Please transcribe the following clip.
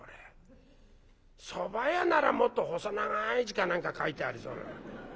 そば屋ならもっと細長い字か何か書いてありそうな。